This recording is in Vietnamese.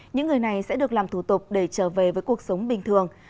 những người này sẽ được làm thủ tục để trở về với cuộc sống bình thường